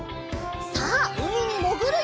さあうみにもぐるよ！